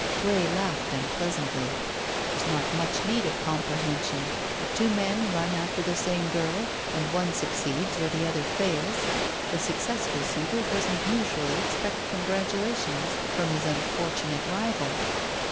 Grey laughed unpleasantly. "There's not much need of comprehension. If two men run after the same girl and one succeeds where the other fails, the successful suitor doesn't usually expect congratulations from his unfortunate rival."